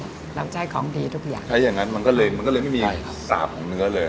เราจะให้ของดีทุกอย่างถ้าอย่างงั้นมันก็เลยมันก็เลยไม่มีสาปของเนื้อเลย